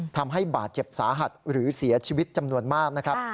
ทำให้บาดเจ็บสาหัสหรือเสียชีวิตจำนวนมากนะครับ